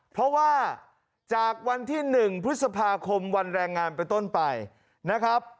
เพราะว่าจากวันที่๑พฤษภาคมวันแรงงานไปต้นไปนะครับ